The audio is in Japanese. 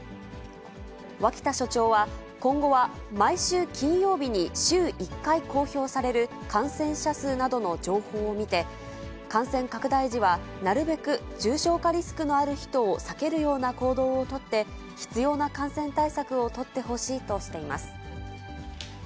脇田所長は、今後は毎週金曜日に週１回公表される感染者数などの情報を見て、感染拡大時は、なるべく重症化リスクのある人を避けるような行動を取って、必要な感染対策を取ってほしいとしています。